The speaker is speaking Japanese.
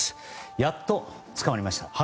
やっと捕まりました。